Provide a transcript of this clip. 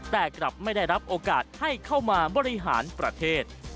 แต่กลับไม่ได้รับโอกาสให้เข้ามาบริหารประเทศ